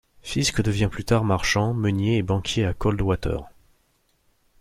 Fisk devient plus tard marchand, meunier et banquier à Coldwater.